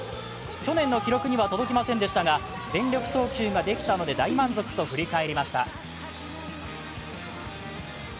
去年の記録には届きませんでしたが、全力投球が出来たので大満足、と振り返りました。